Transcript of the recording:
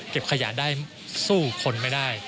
ขยะได้สู้คนไม่ได้